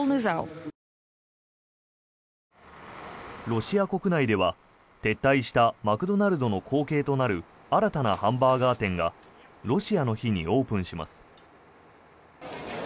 ロシア国内では撤退したマクドナルドの後継となる新たなハンバーガー店がロシアの日にオープンします。